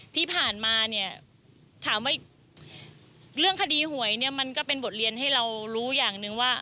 ที่ผ่านมาเนี่ยถามว่าเรื่องคดีหวยเนี่ยมันก็เป็นบทเรียนให้เรารู้อย่างหนึ่งว่า